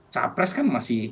caw press kan masih